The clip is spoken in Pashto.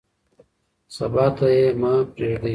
سبا ته یې مه پرېږدئ.